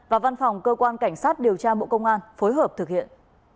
và văn phòng cơ quan cảnh sát điều tra bộ công an phối hợp thực hiện